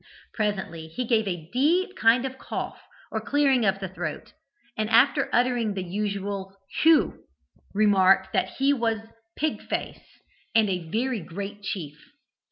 Presently he gave a deep kind of cough or clearing of the throat, and after uttering the usual 'Hugh,' remarked that he was 'Pig face,' and a very great chief.